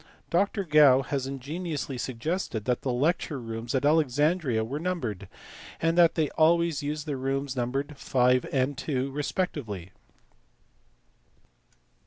Dr Gow has ingeniously suggested that the lecture rooms at Alexandria were numbered, and that they always used the rooms numbered 5 and 2 respec tively.